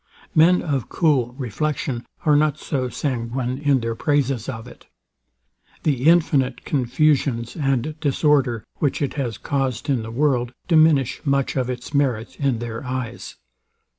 Men of cool reflection are not so sanguine in their praises of it. The infinite confusions and disorder, which it has caused in the world, diminish much of its merit in their eyes.